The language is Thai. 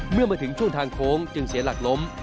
เมื่อมาถึงช่วงทางโค้งจึงเสียหลักล้ม